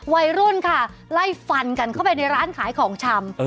วัยรุ่นค่ะไล่ฟันกันเข้าไปในร้านขายของชำ